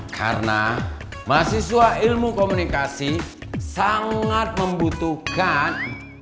karena mahasiswa ilmu komunikasi sangat membutuhkan